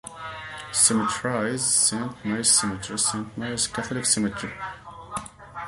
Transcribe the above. Cemeteries Saint Mary's Cemetery, Saint Marys Catholic Cemetery.